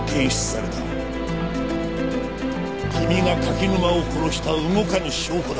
君が柿沼を殺した動かぬ証拠だ。